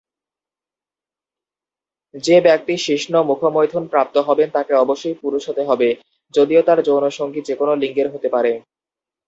যে ব্যক্তি শিশ্ন-মুখমৈথুন প্রাপ্ত হবেন তাকে অবশ্যই পুরুষ হতে হবে, যদিও তার যৌন সঙ্গী যেকোনো লিঙ্গের হতে পারে।